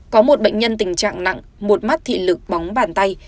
có một bệnh nhân tình trạng nặng một mắt thị lực bóng bàn tay